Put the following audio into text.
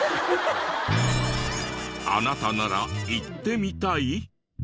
あなたなら行ってみたい？